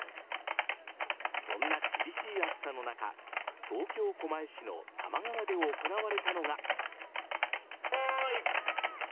そんな厳しい暑さの中東京・狛江市の多摩川で行われたのが。